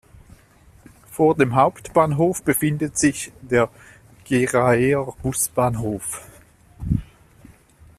Vor dem Hauptbahnhof befindet sich der Geraer Busbahnhof.